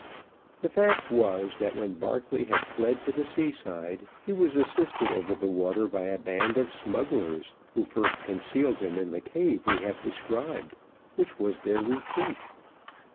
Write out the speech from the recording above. The fact was, that when Barclay had fled to the sea side, he was assisted over the water by a band of smugglers, who first concealed him in the cave we have described, which was their retreat.